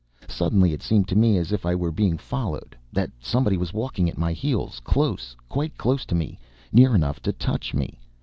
Suddenly it seemed to me as if I were being followed, that somebody was walking at my heels, close, quite close to me, near enough to touch me.